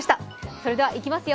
それではいきますよ。